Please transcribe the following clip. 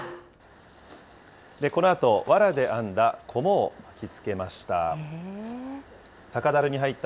このあとわらで編んだこもを巻きつけました。